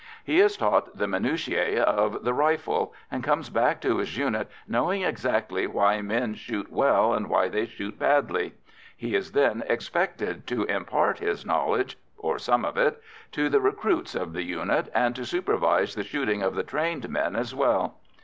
He is taught the minutiæ of the rifle, and comes back to his unit knowing exactly why men shoot well and why they shoot badly. He is then expected to impart his knowledge, or some of it, to the recruits of the unit, and to supervise the shooting of the trained men as well.